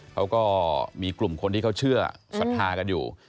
เขาก็มีกลุ่มคนที่เขาเชื่อศรัทธากันอยู่